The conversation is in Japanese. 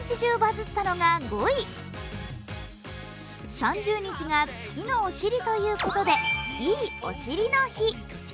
３０日が月のお尻ということでいいおしりの日。